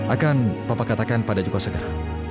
akan papa katakan pada jogos segera